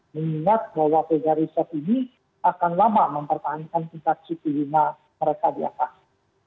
mengingat bahwa pgr reset ini akan lama mempertahankan pingsat suku lima mereka di atas